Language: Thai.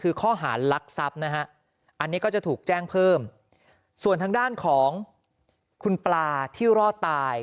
คือข้อหารลักทรัพย์นะฮะอันนี้ก็จะถูกแจ้งเพิ่มส่วนทางด้านของคุณปลาที่รอดตาย